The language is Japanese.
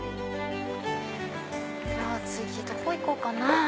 次どこ行こうかな。